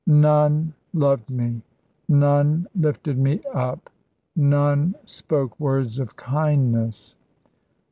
None loved me; none lifted me up; none spoke words of kindness.